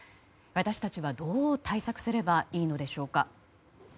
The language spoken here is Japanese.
私たちはどう対策すればいいのでしょうか。